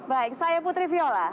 baik saya putri viola